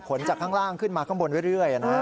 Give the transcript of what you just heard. จากข้างล่างขึ้นมาข้างบนเรื่อยนะ